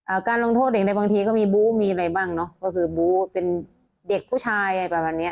การลงโทษเด็กในบางทีก็มีบู๊มีอะไรบ้างเนอะก็คือบู๊เป็นเด็กผู้ชายอะไรประมาณเนี้ย